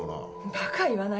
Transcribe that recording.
バカ言わないで。